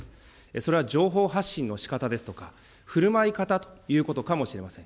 それは情報発信の仕方ですとか、ふるまい方ということかもしれません。